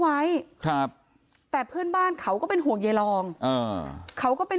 ไว้ครับแต่เพื่อนบ้านเขาก็เป็นห่วงใยรองอ่าเขาก็เป็น